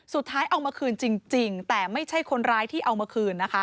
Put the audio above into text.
เอามาคืนจริงแต่ไม่ใช่คนร้ายที่เอามาคืนนะคะ